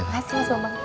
masih aso banget